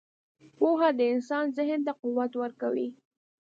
• پوهه د انسان ذهن ته قوت ورکوي.